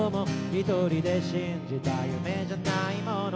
「一人で信じた夢じゃないもの」